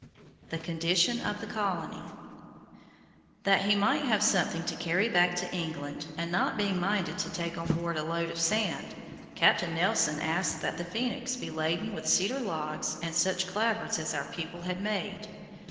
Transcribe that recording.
THE CONDITION OF THE COLONY That he might have something to carry back to England, and not being minded to take on board a load of sand, Captain Nelson asked that the Phoenix be laden with cedar logs and such clapboards as our people had made.